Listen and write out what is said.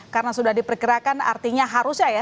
karena sudah diperkirakan artinya harusnya ya